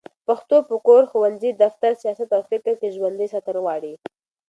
پښتو په کور، ښوونځي، دفتر، سیاست او فکر کې ژوندي ساتل غواړي